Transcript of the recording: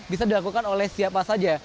bisa dilakukan oleh siapa saja